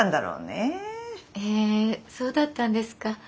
えそうだったんですか。